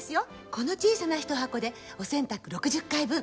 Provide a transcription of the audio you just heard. この小さな１箱でお洗濯６０回分。